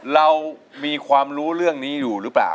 เรามีความรู้เรื่องนี้อยู่หรือเปล่า